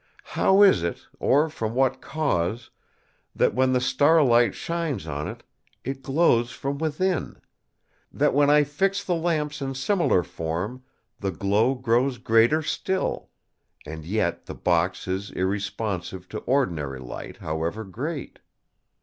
How is it, or from what cause, that when the starlight shines on it, it glows from within—that when I fix the lamps in similar form the glow grows greater still; and yet the box is irresponsive to ordinary light however great?